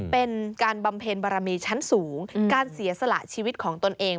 เป็นการบำเพ็ญบารมีชั้นสูงการเสียสละชีวิตของตนเอง